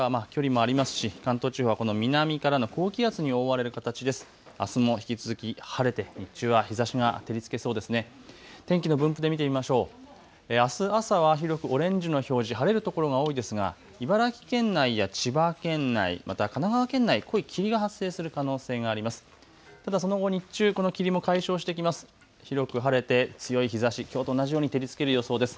あす朝は広くオレンジの表示、晴れる所が多いですが茨城県内や千葉県内また神奈川県内、濃い霧が発生する可能性があります。